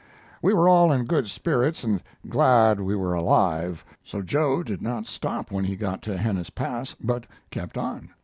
We were all in good spirits and glad we were alive, so Joe did not stop when he got to Henness Pass, but kept on.